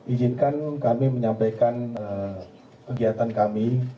ijinkan kami menyampaikan kegiatan kami